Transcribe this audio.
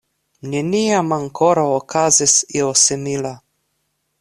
Neniam ankoraŭ okazis io simila.